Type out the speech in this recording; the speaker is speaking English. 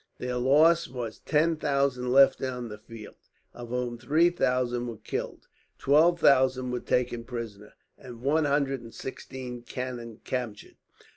Their loss was ten thousand left on the field, of whom three thousand were killed. Twelve thousand were taken prisoners, and one hundred and sixteen cannon captured.